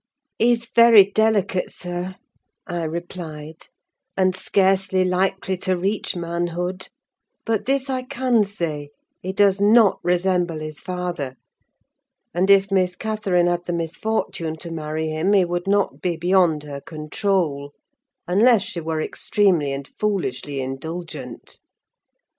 "'He's very delicate, sir,' I replied; 'and scarcely likely to reach manhood: but this I can say, he does not resemble his father; and if Miss Catherine had the misfortune to marry him, he would not be beyond her control: unless she were extremely and foolishly indulgent.